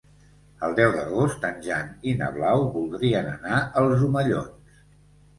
El deu d'agost en Jan i na Blau voldrien anar als Omellons.